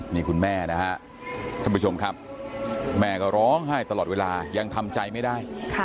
นี่คุณแม่นะฮะท่านผู้ชมครับแม่ก็ร้องไห้ตลอดเวลายังทำใจไม่ได้